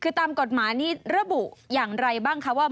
คือตามกฎหมายนี้ระบุอย่างไรบ้างคะว่า